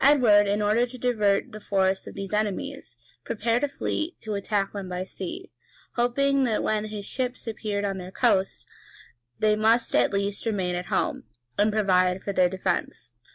Edward, in order to divert the force of these enemies, prepared a fleet to attack them by sea, hoping that when his ships appeared on their coast, they must at least remain at home, and provide for their defence.